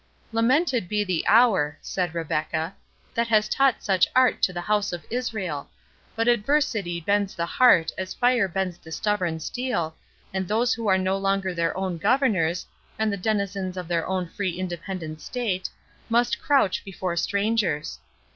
"Lamented be the hour," said Rebecca, "that has taught such art to the House of Israel! but adversity bends the heart as fire bends the stubborn steel, and those who are no longer their own governors, and the denizens of their own free independent state, must crouch before strangers.